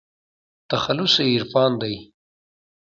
تخلص يې عرفان دى.